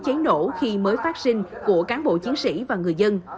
hướng dẫn cháy nổ khi mới phát sinh của cán bộ chiến sĩ và người dân